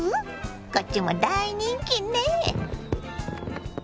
こっちも大人気ね。